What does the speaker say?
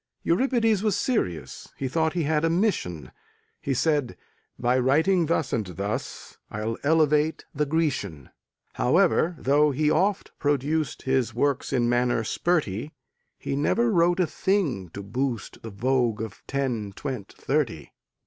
Euripides was serious He thought he had a mission. He said, "By writing thus and thus I'll elevate the Grecian." However, though he oft produced His works in manner spurty, He never wrote a thing to boost The vogue of ten, twent', thirty.